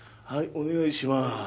はいお願いします